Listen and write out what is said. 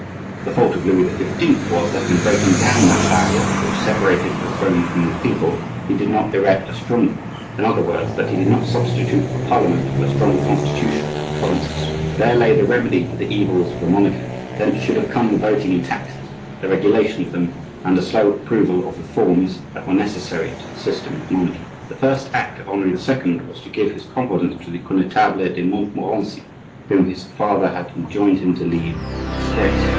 The fault of Louis XV. was, that in breaking down that barrier which separated the throne from the people he did not erect a stronger; in other words, that he did not substitute for parliament a strong constitution of the provinces. There lay the remedy for the evils of the monarchy; thence should have come the voting on taxes, the regulation of them, and a slow approval of reforms that were necessary to the system of monarchy. The first act of Henri II. was to give his confidence to the Connetable de Montmorency, whom his father had enjoined him to leave in disgrace.